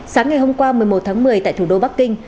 sáng ngày hôm qua một mươi một tháng một mươi tại thủ đô bắc kinh